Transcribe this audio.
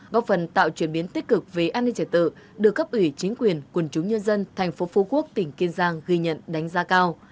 góp phần tạo chuyển biến tích cực về an ninh trẻ tự được cấp ủy chính quyền quần chúng nhân dân thành phố phú quốc tỉnh kiên giang ghi nhận đánh giá cao